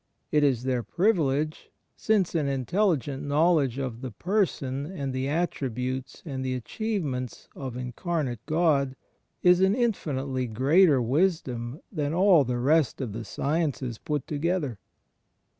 It is their privilege, since an intelligent knowledge of the Person and the attributes and the achievements of Incarnate God is an infinitely greater wisdom than all the rest of the sciences put together.